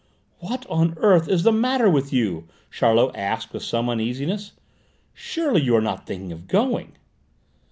"What on earth is the matter with you?" Charlot asked with some uneasiness. "Surely you are not thinking of going?"